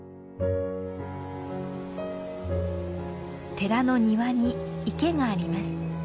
寺の庭に池があります。